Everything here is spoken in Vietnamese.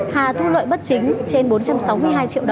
hà thu lợi bất chính trên bốn năm tỷ đồng nga là người giúp sức